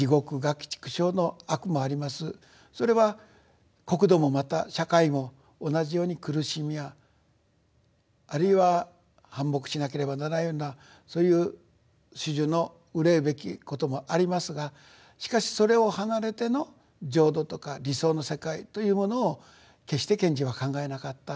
それは国土もまた社会も同じように苦しみやあるいは反目しなければならないようなそういう種々の憂いべきこともありますがしかしそれを離れての浄土とか理想の世界というものを決して賢治は考えなかったと。